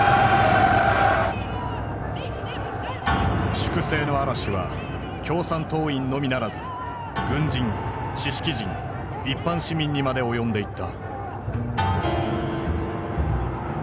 粛清の嵐は共産党員のみならず軍人知識人一般市民にまで及んでいった。